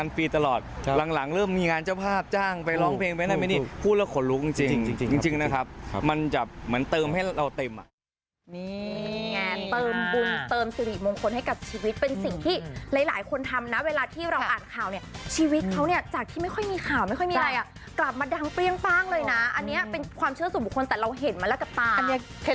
นี่คุณนิดหนึ่งนะคะในการเติมตะเกียงน่ะเวลาเขาเติมเนี้ยเขาเติมเทไปหมดเลย